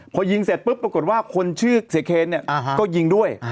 พอยิงเสร็จปรากฏว่าคนชื่อเสียเคนก็ยิงด้วย